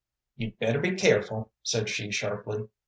"You'd better be careful," said she, sharply.